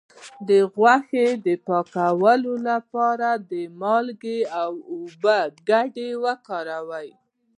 د غوښې د پاکوالي لپاره د مالګې او اوبو ګډول وکاروئ